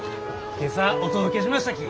今朝お届けしましたき。